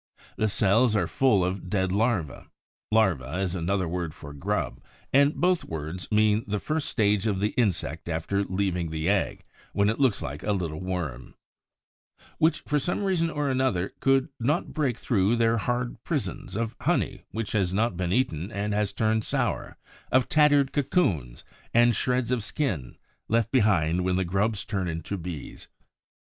The cells are full of dead larvæ (larva is another word for grub, and both words mean the first stage of the insect after leaving the egg, when it looks like a little worm), which, for some reason or other, could not break through their hard prisons; of honey which has not been eaten and has turned sour; of tattered cocoons, and shreds of skin, left behind when the grubs turned into Bees.